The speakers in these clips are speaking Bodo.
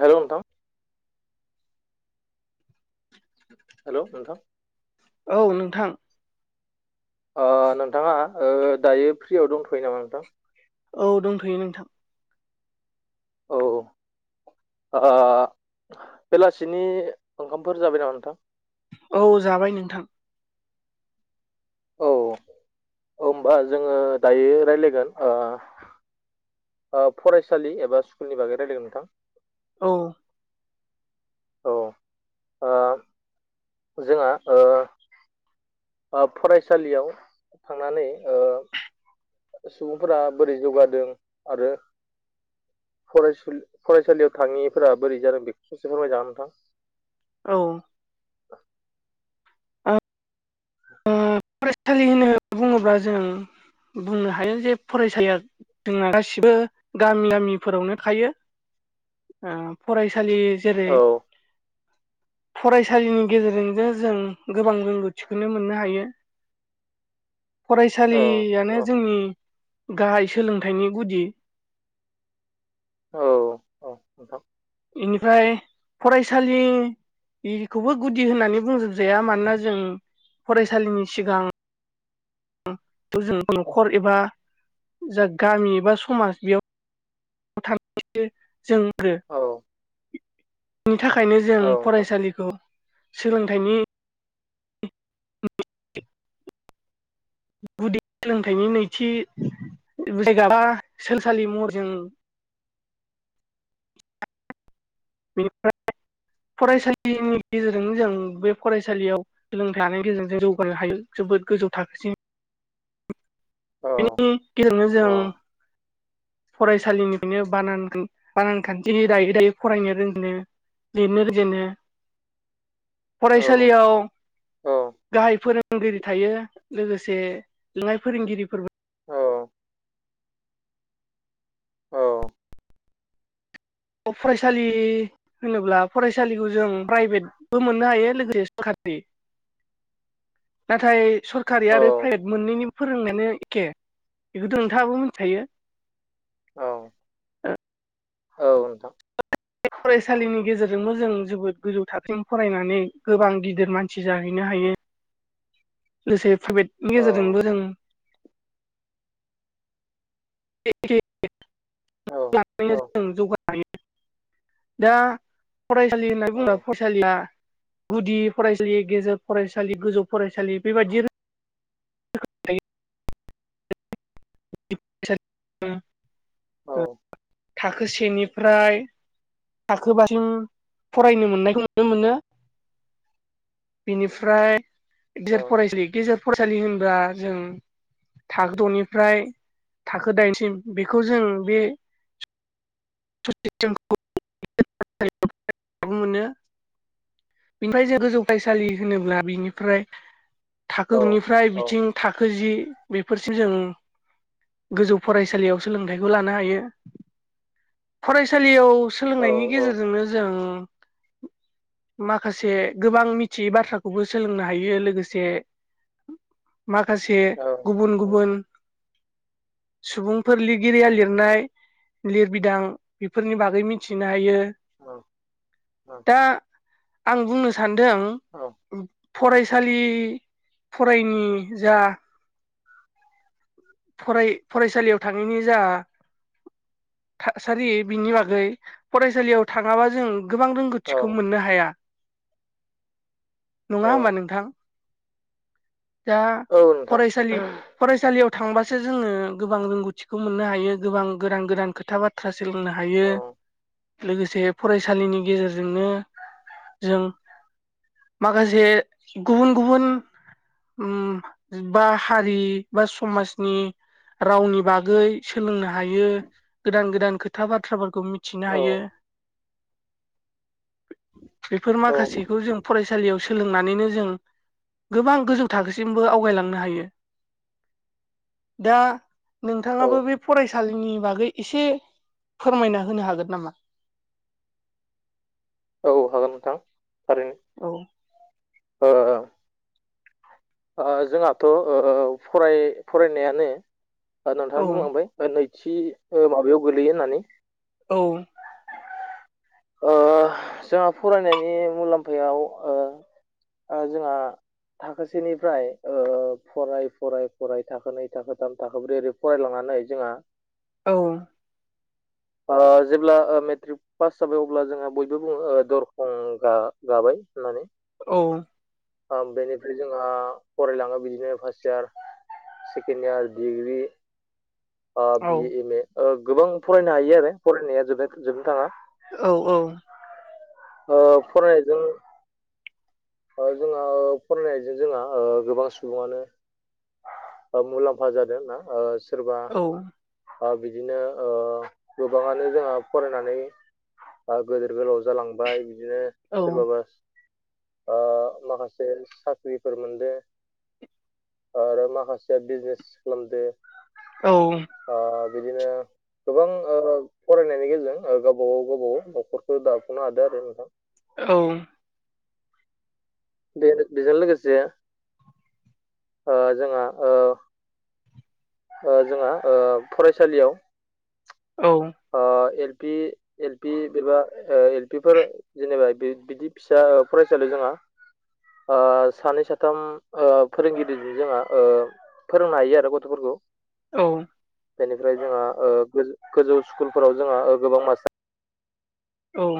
हेलौ नोंथां हेल' नोंथां औ नोंथां। नोंथाङा दायो फ्रियाव दंथ'यो नामा नोंथां? औ दंथ'यो नोंथां औ बेलासिनि ओंखामफोर जाबाय नामा नोंथां? औ जाबाय नोंथां। औ होनबा जोङो दायो रायज्लायगोन। फरायसालि एबा स्कुलनि बागै रायजलायगोन नोंथां। औ औ जोंहा फरायसालियाव थांनानै सुबुंफोरा बोरै जौगादों आरो। फरायसालियाव थाङिफोरा बोरै जादों बेखौस'सो फोरमायजागोन नोंथां। औ [inaudible] ओ फरायसालि होनो बुङोब्ला जों बुंनो हायो जे फरायसालिया जोंना गासिबो गामि गामिफोरावनो थायो। फरायसालि जेरै औ फरायसालिनि गेजेरजोंनो जों गोबां रोंगौथिखौनो मोननो हायो। औ फरायसालियानो औ जोंनि गाहाय सोलोंथाइनि गुदि औ औ नोंथां बेनिफ्राय फरायसालि बेखौबो गुदि होननानै बुंजोबजाया मानोना जों फरायसालिनि सिगां जों न'खर एबा जा गामि एबा समाज बेयाव [unintelligible] जोङो औ औ बिनि थाखायनो जों नोंथां फरायसालिखौ सोलोंथाइनि [unintelligible] [inaudible] जायगाबा सोलोंसालि महरजों बेनिफ्राय फरायसालिनि गेजेरजोंनो जों बे फरायसालियाव सोलोंथाइ लानायनि गेजेरजों जों जौगानो हायो जोबोद गोजौ थाखोसिम औ बेनि गेजेरनो औ जों फरायसालिनिफ्रायनो बान बानान खान्थि दायै दायै फरायनो रोङो [unintelligible] [unintelligible] औ फरायसालियाव औ गाहाय फोरों फोरोंगिरि थायो लोगोसे लोंनाय फोरोंगिरिफोरबो औ फरायसालि होनोब्ला फरायसालिखौ जों प्राइभेटबो मोननो हायो लोगोसे सरकारि बे [unintelligible] नाथाय सरखारि औ आरो प्राइभेट मोननैनि फोरोंनायानो एखे बेखौथ' नोंथाङाबो मिथिखायो। औ [unintelligible] औ नोंथां बे फरायसालिनि गेजेरजोंबो जों जोबोद गोजौ थाखोम फरायनानै गोबां गिदिर मानसि जाहैनो हायो। [unintelligible] लोगोसे प्राइभेटनि औ गेजेरजोंबो जों [unintelligible] औ औ [unintelligible] गुदि फरायसालि गेजेर फरायसालि गोजौ फरायसालि बेबायदिनो [unintelligible] औ थाखो सेनिफ्राय थाखोबासिम फरायनो मोननायखौ नुनो मोनो बेनिफ्राय गेजेर फरायसालि गेजेर फरायसालि होनबा जों थाखो द'निफ्राय थाखो दाइनसिम बेखौ जों बे [unintelligible] बिनिफ्राय जे गोजौ फरायसालि होनोब्ला बिनिफ्राय औ थाखोनिफ्राय औ बिथिं थाखो जि बेफोरसिम जों गोजौ फरायसालियाव सोलोंथाइखौ लानो हायो। फरायसालियाव सोलोंनायनि नोंथां गेजेरजोंनो जों माखासे गोबां मिथियै बाथ्राखौबो सोलोंनो हायो लोगोसे [unintelligible] माखासे औ औ गुबुन गुबुन सुबुंफोर लिरगिरिया लिरनाय लिरबिदां बेफोरनि बागै मिथिनो हायो औ दा आं बुंनो सान फरायसालि फरायिनि जा फराय फरायसालियाव थाङैनि जा थासारि बिनि बागै फरायसालियाव थाङाबा जों गोबां रोंगौथिखौ मोननो हाया नङा होमबा नोंथां दा फरायसालि फरायसालियाव थांबासो जोङो गोबां रोंगौथिखौ मोननो हायो गोबां गोदान गोदान खोथा बाथ्रा सोलोंनो हायो लोगोसे फरायसालिनि गेजेरजोंनो जों माखासे गुबुन गुबुन बा हारि बा समाजनि रावनि बागै सोलोंनो हायो गोदान गोदान खोथा बाथ्राफोरखौ खौ मिथिनो हायो बेफोर माखासेखौ जों फरायसा सालियाव सोलोंनानैनो जों गोबां गोजौ थाखोसिमबो आवगायलांनो हायो दा औ नोंथाङाबो बे फरायसा सालिनि बागै एसे फोरमायना होनो हागोन नामा औ हागोन नोंथां थारैनो औ ओ ओ जोंहाथ ओ फराय फरायनायानो नोंथाङा औ बुंलांबाय नैथि ओ माबायाव गोलैयो होननानै औ ओ जोंहा फरायनायनि मुलाम्फायाव ओ ओ जोंहा थाखोसेनिफ्राय ओ फराय फराय फराय थाखोनै थाखोथाम थाखो बै ओरै फरायलाङा नानै जोंहा औ ओ जेब्ला ओ मेट्रिक पास जाबाय अब्ला जोहा बयबो बुङो दरखं गाबाय माने औ ओ बेनिफ्राय जोंहा फरायलाङो बिदिनो first year second year degree ओ औ बि ए एम ए ओ गोबां फरायनो हायो आरो फरायनाया जोब जोबनो थाङा औ औ ओ फरायनायजों ओ जोंहा फरायनायजों ओ जोंहा गोबां सुबुङानो मुलाम्फा जादों ओ सोरबा औ ओ बिदिनो ओ गोबाङानो जोंहा फरायनानै ओ गेदेर गोलाव जालांबाय बिदिनो औ सोरबाबा ओ माखासे साख्रिफोर मोनदों आरो माखासेया बिजनेस खालामदो औ ओ बिदिनो गोबां ओ फरायनायनि गेजेरजों गावबागाव गावबागाव नखरखौ दाफुंनो हादो आरो नोंथां औ बे बेजों लोगोसे ओ जोंहा ओ ओ जोंहा ओ फरायसालियाव ओ पि एल पि एबा एल पिफोर जेनेबा बिदि फिसा फरायसालि जोंहा ओ सानै साथाम ओ फोरोंगिरिजों जोंहा ओ फोरोंनो हायो आरो गथफोरखौ औ बेनिफ्राय जोंहा ओ गोजौ स्कुलफोराव जोंहा गोबां मास्टार औ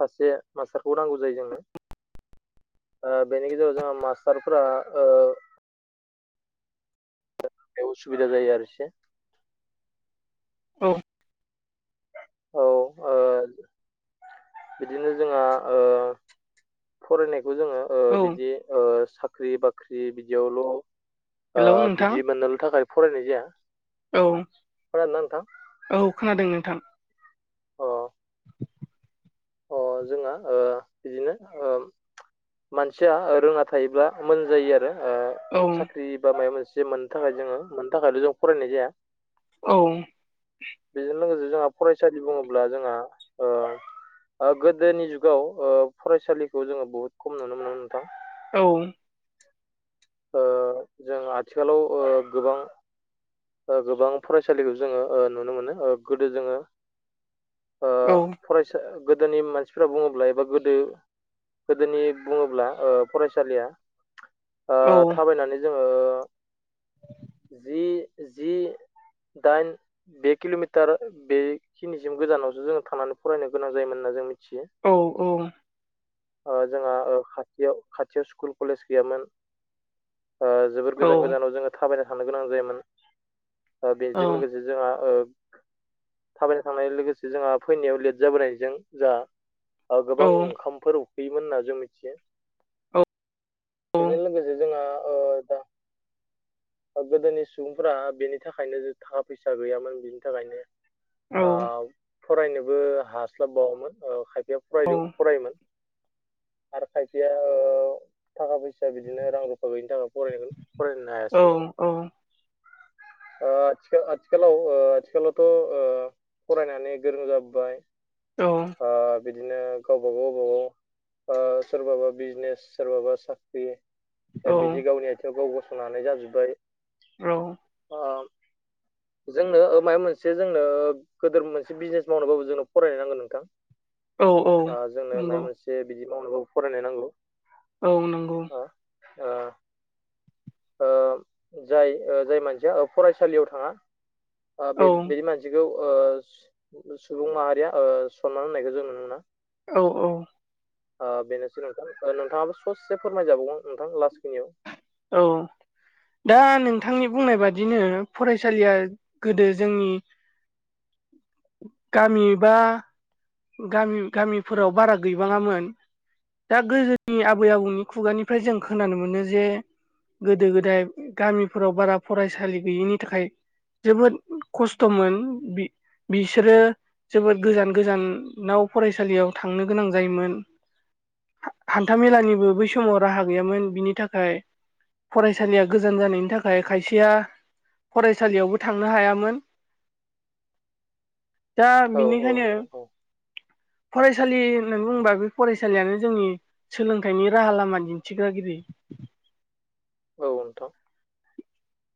सासे मास्टारखौ नांगौ जायो जोंनो ओ बेनि गेजेराव जोंहा मास्टारफोरा ओ असुबिदा जायो आरो एसे औ औ ओ बिदिनो जोंहा ओ फरायनायखौ जोङो औ बिदि ओ साख्रि बाख्रि बिदियावल ओ हेलौ नोंथां बिदि मोननो थाखाय फरायनाय जाया औ खोनादोंना नोंथां औ खोनादों नोंथां अ अ जोंहा ओ बिदिनो ओ मानसिया रोङना थायोब्ला मोजां जायो आरो ओ औ साख्रि बा माबा मोनसे मोननो थाखाय जोङो मोननो थाखायल जों फरायनाय जाया औ बेजों लोगोसे जोंहा फरायसालि बुङोब्ला जोंहा ओ गोदोनि जुगाव ओ फरायसालिखौ जोङो बुहुत खम नुनो मोनो नोंथां औ ओ जों आथिखालाव ओ गोबां ओ गोबां फरायसालिखौ जोङो ओ नुनो मोनो ओ गोदो जोङो ओ औ फरायसा गोदोनि मानसिफोरा बुङोब्ला एबा गोदो गोदोनि बुङोब्ला ओ फरायसालिया ओ औ थाबायनानै जोङो ओ जि जि दाइन बे किल'मिटार बेखिनिसिम गोजानावसो जोङो थानानै फरायनो गोनां जायोमोन्ना जों मिथि औ औ ओ जोंहा ओ खाथियाव खाथियाव स्कुल कलेज गैयामोन ओ जोबोर औ गोजान गोजानाव जोङो थाबायना थांनो गोनां जायोमोन ओ बेजों लोगोसे जोंहा ओ थाबायनो थांनाय लोगोसे जोंहा फैनायाव लेट जाबोनायजों जोंहा गोबां ओंखामफोर उखैयोमोन होनना जों मिथियो बेजों लोगोसे जोंहा ओ दा गोदोनि सुबुंफ बेनि थाखायनो थाखा फैसा गैयामोन बिनि थाखायनो ओ फरायनोबो हास्लाबबावोमोन ओ खायफ सेया फरायद फरायोमोन आरो खायसेया ओ थाखा फैसा बिदिनो रां रुफा गैयिनि थाखाय फरायगोन फरायनो हायासै ओ आथि आथिखालाव ओ आथिखालावथ' ओ फरायनानै गोरों जाबोबाय औ ओ बिदिनो गावबा गाव गावबागाव सोरबाबा बिजनेस सोरबाबा साख्रि ओ बिदि गावनि आथिङाव गाव गसंनो हानाय जाजोब्बाय औ औ जोंनो ओ माबा मोनसे जोंनो गोदोर मोनसे बिजनेस मावनोबाबो जोंनो फरायनो नांगोन नोंथां औ औ औ ओ जोंनो माबा नंगौ मोनसे बिदि मावनोबाबो फरायनो नांगौ औ नंगौ ओ ओ ओ जाय ओ जाय मानसिया ओ फरायसालियाव थाङा ओ औ बे बेदि मानसिखौ ओ सुबुं माहारिया ओ सनमान होनायखौ जों नुनो मोना औ औ ओ बेनोसै नोंथां नोंथाङाबो ससे फोरमायजाबावगोन नोंथां लास्टखिनियाव औ दा नोंथांनि बुंनाय बादिनो फरायसालिया गोदो जोंनि गामि बा गामि गामिफोराव बारा गैबाङामोन दा गोदोनि आबै आबौनि खुगानिफ्राय जों खोनानो मोनो जे गोदो गोदाय गामिफोराव बारा फरायसालि गैयिनि थाखाय जोबोद खस्थ'मोन बि बिसोरो जोबोद गोजान गोजानाव फरायसालियाव थांनो गोनां जायोमोन हा हान्थाामेलानिबो बै समाव राहा गैयामोन बिनि थाखाय फरायसालिया गोजान जानायनि थाखाय खायसेया फरायसालियावबो थांनो हायामोन [unintelligible] दा औ औ बिनिखायनो नोंथां औ फरायसालि होननानै बुङोबा बे फरायसालियानो जोंनि सोलोंथाइनि राहा लामा दिन्थिग्रा गिरि औ नोंथां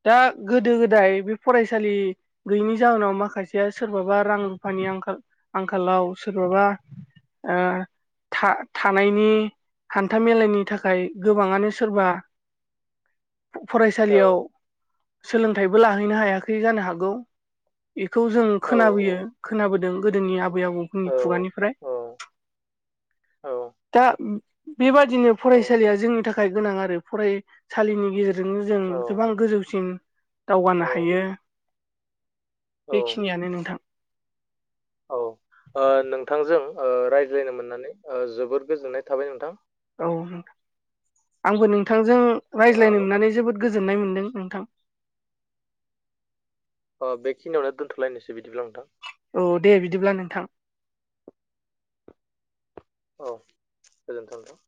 दा गोदो गोदाय बे फरायसालि गैयैनि जाहोनाव माखासेया सोरबाबा रां रुफानि नि आंखाल आंखालाव सोरबाबा था थानायनि हान्था मलाायनि थाखाय गोबाङानो सोरबा [unintelligible] फ औ फरायसालियाव सोलोंथाइबो लाहैनो हायाखै जानो हागौ बेखौ जों औ खोनाबोयो खोनाबोदों गोदोनि आबै आबौनि औ खुगानिफ्राय औ औ [unintelligible] बेबादिनो फरायसालिया जोंनि थाखाय गोनां आरो फरायसालिनि गेजेरजोंनो जों गोबां गोजौसिम दावगानो औ हायो औ बेखिनियानो नोंथां औ नोंथांजों रायज्लायनो मोननानै जोबोद गोजोननाय थाबाय नोंथां औ आंबो नोंथांजों रायज्लायनो ओ मोननानै जोबोद गो- जोन्नाय मोनदों नोंथां अ बेखिनियावनो दोनथ'लायनोसै बि- औ दे बिदिब्ला नोंथां औ गोजोन्थों नोंथां